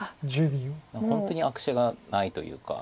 本当に悪手がないというか。